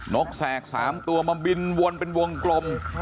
กแสก๓ตัวมาบินวนเป็นวงกลม